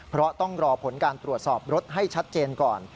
เพราะต้องรอผลการตรวจสอบรถให้ชัดเจนก่อน